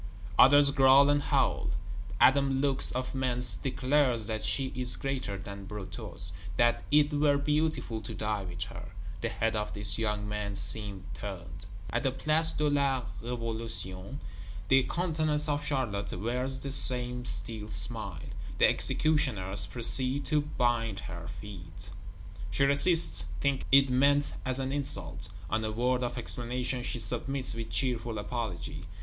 Others growl and howl. Adam Lux, of Mentz, declares that she is greater than Brutus; that it were beautiful to die with her; the head of this young man seems turned. At the Place de la Révolution, the countenance of Charlotte wears the same still smile. The executioners proceed to bind her feet; she resists, thinking it meant as an insult; on a word of explanation, she submits with cheerful apology.